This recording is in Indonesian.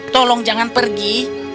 tolong jangan pergi